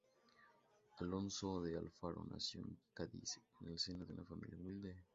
Alonso de Alfaro nació en Cádiz, en el seno de una familia humilde.